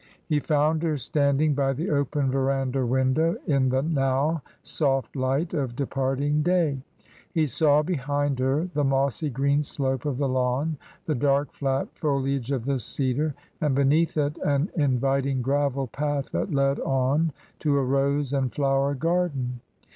He found her standing by the open verandah window, in the now soft light of departing day. He saw behind her the mossy green slope of the lawn, the dark, flat foliage of the cedar, and beneath it an inviting gravel path that led on to a rose and flower garden.